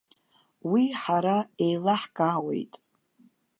Уи ҳара еилаҳкаауеит.